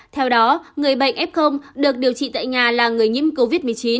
theo đó người bệnh f được điều trị tại nhà là người nhiễm covid một mươi chín